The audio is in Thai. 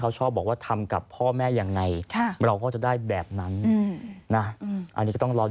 แกก็ขี่รถกระบาดมาดูบ่อย